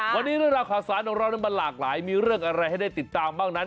วันนี้เรื่องราวข่าวสารของเรานั้นมันหลากหลายมีเรื่องอะไรให้ได้ติดตามบ้างนั้น